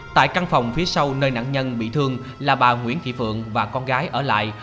tại căn phòng phía sau nơi nạn nhân bị thương là bà nguyễn thị phượng và con gái ở lại